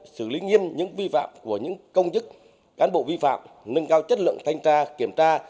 xử lý nghiêm những vi phạm của những công chức cán bộ vi phạm nâng cao chất lượng thanh tra kiểm tra